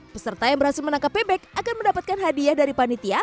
peserta yang berhasil menangkap bebek akan mendapatkan hadiah dari panitia